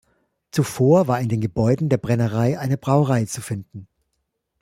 Zuvor war in den Gebäuden der Brennerei eine Brauerei zu finden.